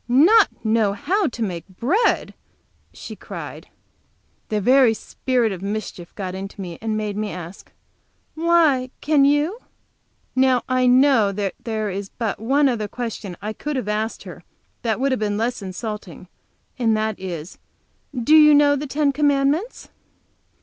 "Not know how to make bread?" she cried. The very spirit of mischief got into me, and made me ask: "Why, can you?" Now I know there is but one other question I could have asked her, less insulting than this, and that is: "Do you know the Ten Commandments?"